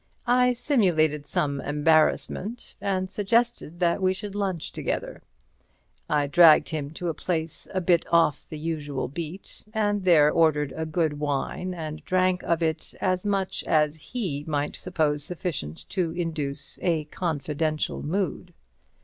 I simulated some embarrassment and suggested that we should lunch together. I dragged him to a place a bit off the usual beat, and there ordered a good wine and drank of it as much as he might suppose sufficient to induce a confidential mood.